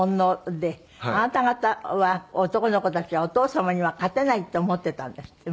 あなた方は男の子たちはお父様には勝てないって思ってたんですって？